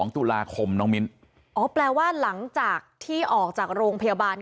ตุลาคมน้องมิ้นอ๋อแปลว่าหลังจากที่ออกจากโรงพยาบาล